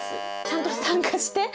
ちゃんと参加して。